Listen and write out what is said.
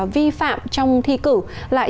vi phạm trong thi cử lại